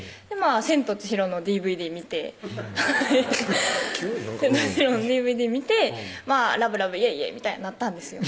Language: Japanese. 千と千尋のＤＶＤ見てＤＶＤ見てラブラブイェイイェイみたいになったんですよ